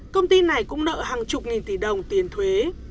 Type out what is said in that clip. công ty này cũng nợ hàng chục nghìn tỷ đồng tiền thuế